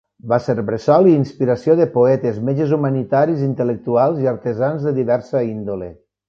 Va ser bressol i inspiració de poetes, metges humanitaris, intel·lectuals, i artesans de diversa índole.